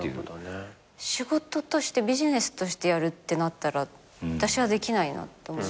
仕事としてビジネスとしてやるってなったら私はできないな。